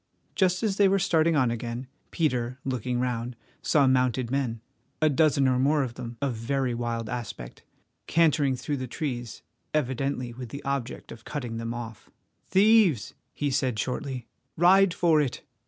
Just as they were starting on again, Peter, looking round, saw mounted men—a dozen or more of them of very wild aspect—cantering through the trees evidently with the object of cutting them off. "Thieves!" he said shortly. "Ride for it."